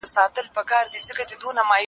کوم عوامل د غوړو سوځولو اغېز زیاتوي؟